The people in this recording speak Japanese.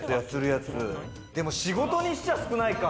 でも仕事にしちゃ少ないか。